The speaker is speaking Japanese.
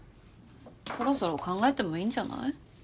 そろそろ考えてもいいんじゃない？